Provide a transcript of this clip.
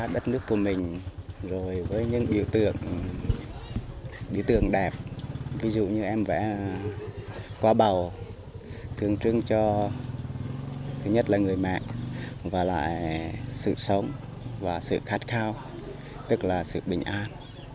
bởi vì đối tượng đẹp ví dụ như em vẽ qua bầu tương trưng cho thứ nhất là người mẹ và lại sự sống và sự khát khao tức là sự bình an